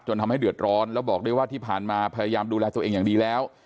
ทำให้เดือดร้อนแล้วบอกด้วยว่าที่ผ่านมาพยายามดูแลตัวเองอย่างดีแล้ว